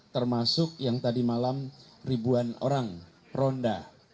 termasuk yang tadi malam ribuan orang ronda